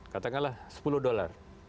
katakanlah sepuluh dolar